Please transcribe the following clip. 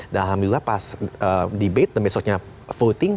dan alhamdulillah pas debate dan besoknya voting